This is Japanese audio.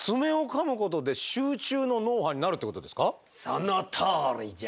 そのとおりじゃ。